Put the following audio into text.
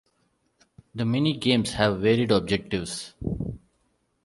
The mini games have varied objectives.